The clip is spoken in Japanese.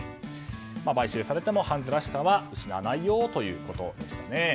買収されてもハンズらしさは失わないよということでした。